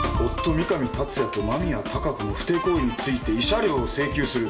三神達也と間宮貴子の不貞行為について慰謝料を請求する。